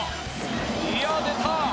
いやっ出た！